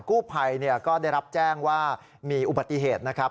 กู้ภัยก็ได้รับแจ้งว่ามีอุบัติเหตุนะครับ